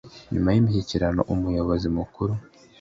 Nyuma y imishyikirano Umuyobozi Mukuru